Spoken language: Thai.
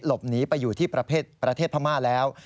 หลบหนีไปอยู่ที่ประเทศพม่าแล้ว